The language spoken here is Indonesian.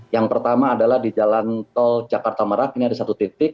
yang pertama adalah di jalan tol jakarta merak ini ada satu titik